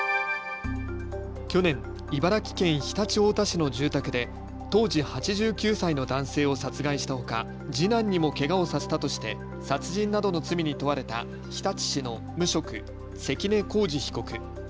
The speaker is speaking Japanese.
去年、茨城県常陸太田市の住宅で当時８９歳の男性を殺害したほか、次男にもけがをさせたとして殺人などの罪に問われた日立市の無職、関根幸司被告。